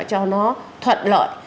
cho nó thuận lợi